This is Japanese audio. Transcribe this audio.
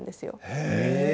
へえ！